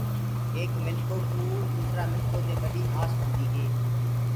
ايڪ منکو ڪُو دوسرآ منکو دي ٻڏي آس هوندي هي۔